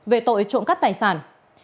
về tội trộm cắp tài sản